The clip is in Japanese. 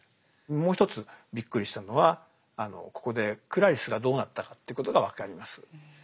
もう一つびっくりしたのはここでクラリスがどうなったかっていうことが分かります。